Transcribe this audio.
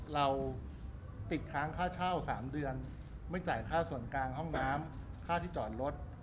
เราติดค้างค่าเช่า๓เดือนไม่จ่ายค่าส่วนกลางห้องน้ำค่าที่จอดรถ